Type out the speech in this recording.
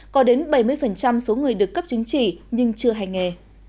có đến bảy mươi số người được cấp chứng chỉ nhưng chưa hành nghề